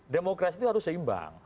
demokrasi itu harus seimbang